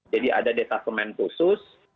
jadi ada detasemen khusus